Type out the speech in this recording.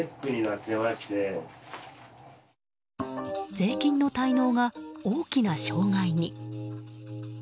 税金の滞納が大きな障害に。